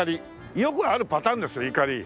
よくあるパターンですよ錨。